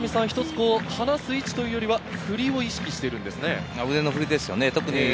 立浪さん、離す位置というよりは振りを意識しているんですね。